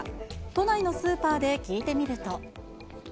都内のスーパーで聞いてみると。